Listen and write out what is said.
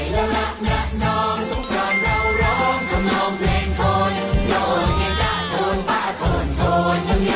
ว้าว